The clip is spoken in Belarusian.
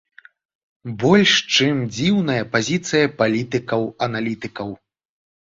Больш чым дзіўная пазіцыя палітыкаў-аналітыкаў!